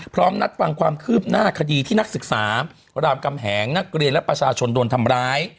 พร้อมนัดฟังความคืบหน้าคดีที่นักศึกษารามกำแหงนักเรียนและประชาชนโดนทำร้าย